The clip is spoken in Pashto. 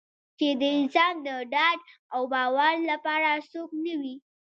چې د انسان د ډاډ او باور لپاره څوک نه وي.